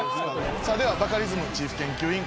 ではバカリズムチーフ研究員